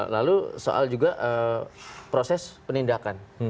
lalu soal juga proses penindakan